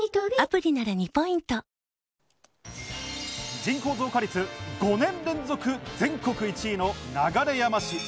人口増加率、５年連続全国１位の流山市。